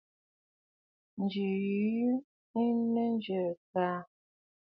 Ǹjì yì ɨ jɛrɨkə.